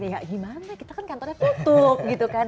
ya gimana kita kan kantornya tutup gitu kan